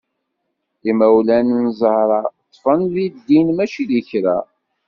Imawlan n Zahra ṭṭfen di ddin mačči d kra.